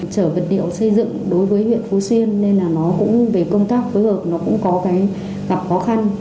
chở vật liệu xây dựng đối với huyện phú xuyên nên là nó cũng về công tác phối hợp nó cũng có cái gặp khó khăn